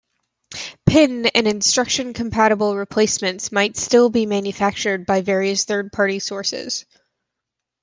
Pin- and instruction-compatible replacements might still be manufactured by various third party sources.